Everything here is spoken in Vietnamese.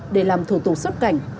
để làm thủ tục xuất cảnh